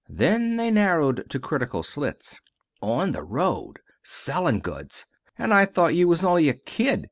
Then they narrowed to critical slits. "On the road! Sellin' goods! And I thought you was only a kid.